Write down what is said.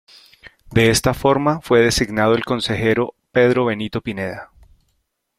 De esta forma, fue designado el Consejero Pedro Benito Pineda.